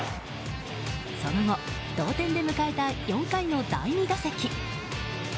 その後同点で迎えた４回の第２打席。